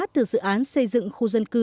từ dự án xây dựng khu dân cư